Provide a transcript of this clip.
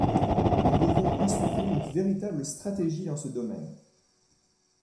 Nous devons insuffler une véritable stratégie dans ce domaine.